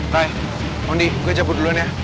naya mondi gue cabut duluan ya